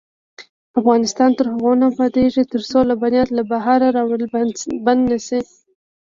افغانستان تر هغو نه ابادیږي، ترڅو لبنیات له بهره راوړل بند نشي.